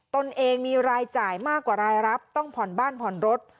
ตนเองมีรายจ่ายมากกว่ารายรับต้องผ่อนบ้านผ่อนรถ